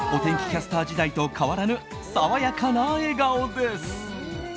キャスター時代と変わらぬ爽やかな笑顔です。